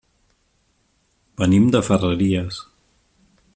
Venim de Ferreries.